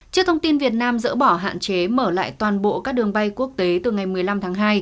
trước thông tin việt nam dỡ bỏ hạn chế mở lại toàn bộ các đường bay quốc tế từ ngày một mươi năm tháng hai